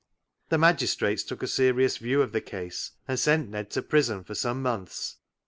The magistrates took a serious view of the case, and sent Ned to prison for some months.